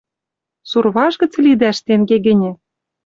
«Сурваж гӹц лидӓш, тӹнге гӹньӹ?